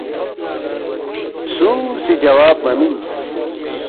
سُو سی جواب مہ مِنس